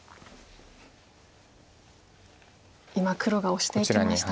今黒がオシていきました。